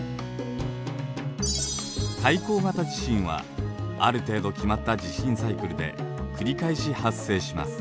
海溝型地震はある程度決まった地震サイクルで繰り返し発生します。